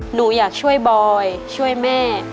หนูอยากช่วยบอยช่วยแม่